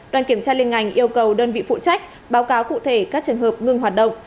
đoàn kiểm tra liên ngành yêu cầu đơn vị phụ trách báo cáo cụ thể các trường hợp ngưng hoạt động